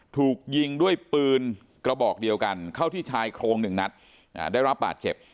ถูกยิงด้วยปืนกระบอกเดียวกันเข้าที่ชายโครงหนึ่งนัดได้รับบาดเจ็บ